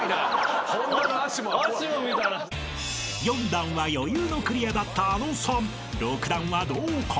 ［４段は余裕のクリアだったあのさん］